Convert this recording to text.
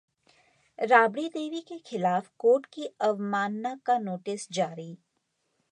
राबड़ी देवी के खिलाफ कोर्ट की अवमानना का नोटिस जारी